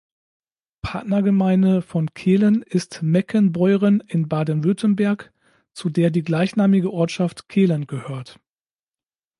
Partnergemeinde von Kehlen ist Meckenbeuren in Baden-Württemberg, zu der die gleichnamige Ortschaft Kehlen gehört.